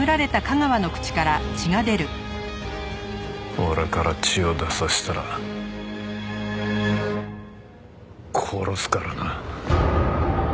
俺から血を出させたら殺すからな。